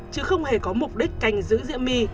chứ không hề có mục đích canh giữ diễm my